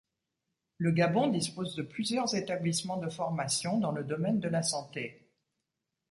Le Gabon dispose de plusieurs établissements de formation dans le domaine de la santé.